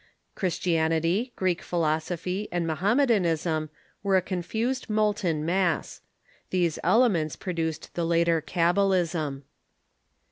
Christianity, Greek philosophy, and Mohammedanism wei"e a confused molten mass. These ele ments produced the later cabalism.